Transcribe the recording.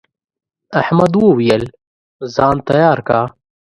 احمد وويل: ځان تیار که.